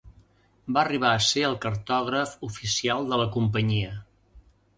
Va arribar a ser el cartògraf oficial de la companyia.